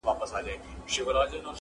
• عشقه اول درد وروسته مرحم راکه..